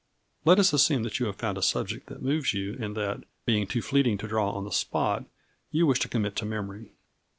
] Let us assume that you have found a subject that moves you and that, being too fleeting to draw on the spot, you wish to commit to memory.